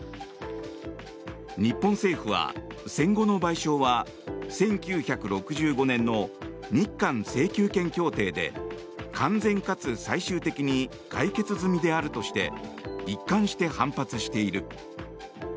日本政府は、戦後の賠償は１９６５年の日韓請求権協定で完全かつ最終的に解決済みであるとして一貫して反発している。